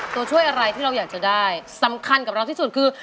ตัวช่วยอะไรที่เราอยากจะได้สำคัญกับเราที่สุดคือ